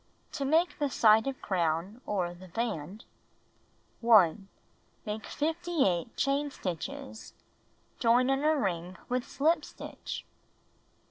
To Make the Side of Crown, or the Band 1. Make 58 chain stitches. Join in a ring with slip stitch.